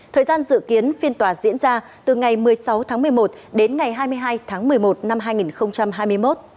thời gian dự kiến phiên tòa diễn ra từ ngày một mươi sáu tháng một mươi một đến ngày hai mươi hai tháng một mươi một năm hai nghìn hai mươi một